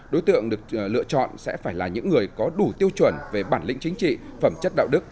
đối tượng được lựa chọn sẽ phải là những người có đủ tiêu chuẩn về bản lĩnh chính trị phẩm chất đạo đức